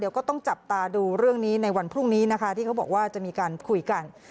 ก็ต้องจับตาดูเรื่องนี้ในวันพรุ่งนี้นะคะที่เขาบอกว่าจะมีการคุยกัน